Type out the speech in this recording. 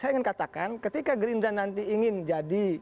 saya ingin katakan ketika gerindra nanti ingin jadi